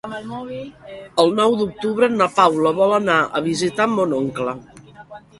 El nou d'octubre na Paula vol anar a visitar mon oncle.